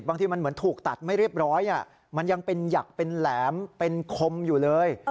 บางทีมันเหมือนถูกตัดไม่เรียบร้อยมันยังเป็นหยักเป็นแหลมเป็นคมอยู่เลย